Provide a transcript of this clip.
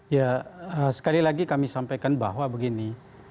ya sekali lagi kami sampaikan bahwa begini